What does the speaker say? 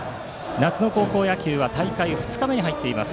夏の高校野球は大会２日目に入っています。